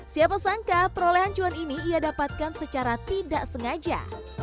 siapa sangka perolehan cuan ini ia dapatkan secara tidak sengaja